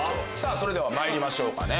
それではまいりましょうかね